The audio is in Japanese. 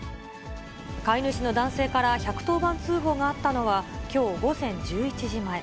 飼い主の男性から１１０番通報があったのは、きょう午前１１時前。